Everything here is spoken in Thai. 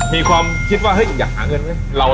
มีความคิดว่าอยากหาเงินไหม